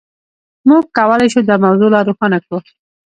موږ کولای شو دا موضوع لا روښانه کړو.